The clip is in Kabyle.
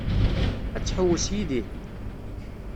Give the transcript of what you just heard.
Ad tḥewwes yid-i?